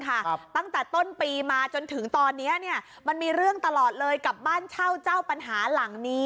ตั้งแต่ต้นปีมาจนถึงตอนนี้เนี่ยมันมีเรื่องตลอดเลยกับบ้านเช่าเจ้าปัญหาหลังนี้